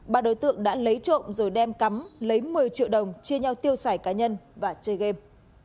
ba đối tượng đã lấy trộm rồi đem cắm lấy một mươi triệu đồng chia nhau tiêu xài cá nhân và chơi game